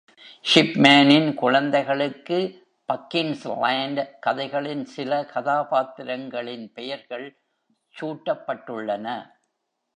Shipman-னின் குழந்தைகளுக்கு"Pakkins' Land" கதைகளின் சில கதாபாத்திரங்களின் பெயர்கள் சூட்டப்பட்டுள்ளன.